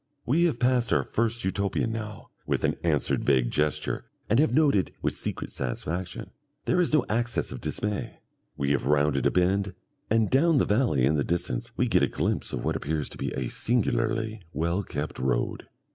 We have passed our first Utopian now, with an answered vague gesture, and have noted, with secret satisfaction, there is no access of dismay; we have rounded a bend, and down the valley in the distance we get a glimpse of what appears to be a singularly well kept road....